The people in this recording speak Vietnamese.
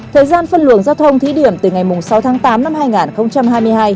thời gian phân luồng giao thông thí điểm từ ngày sáu tháng tám năm hai nghìn hai mươi hai